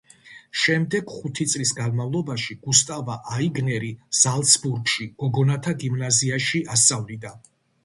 შემდეგ, ხუთი წლის განმავლობაში, გუსტავა აიგნერი ზალცბურგში, გოგონათა გიმნაზიაში ასწავლიდა.